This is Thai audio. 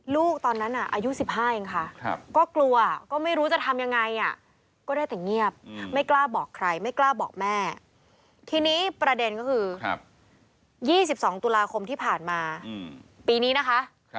ลูกตอนนั้นอายุ๑๕เองค่ะก็กลัวก็ไม่รู้จะทำยังไงก็ได้แต่เงียบไม่กล้าบอกใครไม่กล้าบอกแม่ทีนี้ประเด็นก็คือ๒๒ตุลาคมที่ผ่านมาปีนี้นะคะ